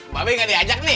mba be nggak diajak nih